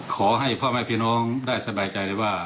ขอให้พ่อแม่พี่น้องได้สบายใจเลยว่า